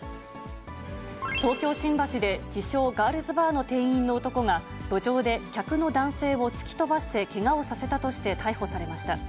東京・新橋で、自称ガールズバーの店員の男が、路上で客の男性を突き飛ばしてけがをさせたとして逮捕されました。